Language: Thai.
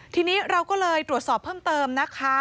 ทีนี้เราก็เลยตรวจสอบเพิ่มเติมนะคะ